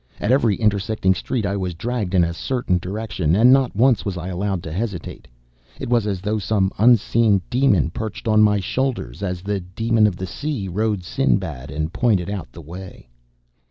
At every intersecting street I was dragged in a certain direction and not once was I allowed to hesitate. It was as though some unseen demon perched on my shoulders, as the demon of the sea rode Sinbad, and pointed out the way.